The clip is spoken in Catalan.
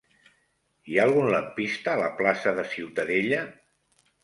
Hi ha algun lampista a la plaça de Ciutadella?